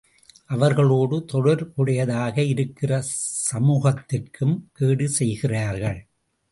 அவர்களோடு தொடர்புடையதாக இருக்கிற சமூகத்திற்கும், கேடு செய்கிறார்கள்.